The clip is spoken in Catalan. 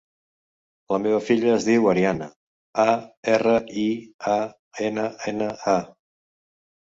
La meva filla es diu Arianna: a, erra, i, a, ena, ena, a.